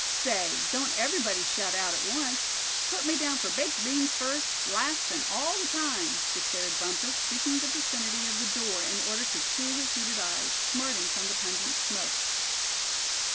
"Say, don't everybody shout out at once. Put me down for baked beans first, last and all the time," declared Bumpus, seeking the vicinity of the door in order to cool his heated eyes, smarting from the pungent smoke.